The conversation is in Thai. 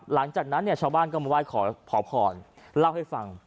หลังจากนั้นเนี่ยชาวบ้านก็มาไหว้ขอพรเล่าให้ฟัง